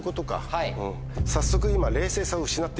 早速今。